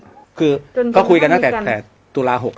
พี่สุดยอดนี้ไม่ใช่ครับ